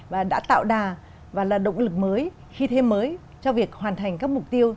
và đã tạo đà và là động lực mới khi thêm mới cho việc hoàn thành các mục tiêu